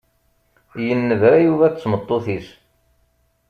Yennebra Yuba d tmeṭṭut-is.